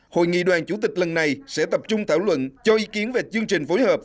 hội nghị đoàn chủ tịch lần này sẽ tập trung thảo luận cho ý kiến về chương trình phối hợp